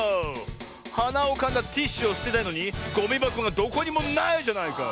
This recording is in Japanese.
はなをかんだティッシュをすてたいのにゴミばこがどこにもないじゃないか！